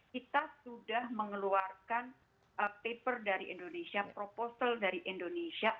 kita sudah mengeluarkan paper dari indonesia proposal dari indonesia